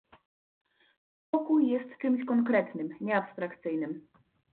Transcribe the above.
Pokój jest czymś konkretnym, nie abstrakcyjnym